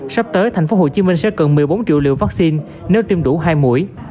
sắp tới tp hcm sẽ cần một mươi bốn triệu liều vaccine nếu tiêm đủ hai mũi